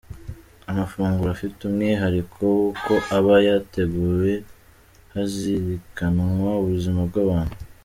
Amafunguro afite umwihariko w’uko aba yateguwe hazirikanwa ubuzima bw’abantu.